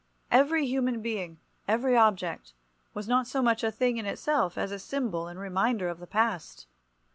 Every human being, every object, was not so much a thing in itself, as a symbol and reminder of the past.